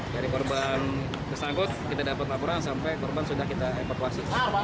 dari korban tersangkut kita dapat laporan sampai korban sudah kita evakuasi